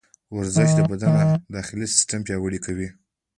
ورزش د بدن داخلي سیسټم پیاوړی کوي.